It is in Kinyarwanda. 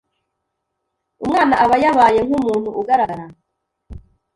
umwana aba yabaye nk’umuntu ugaragara